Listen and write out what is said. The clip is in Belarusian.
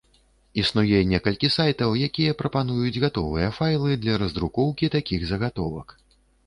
Існуе некалькі сайтаў, якія прапануюць гатовыя файлы для раздрукоўкі такіх загатовак.